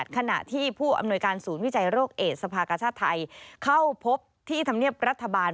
ขณะที่ผู้อำนวยการศูนย์วิจัยโรคเอดสภากชาติไทยเข้าพบที่ธรรมเนียบรัฐบาล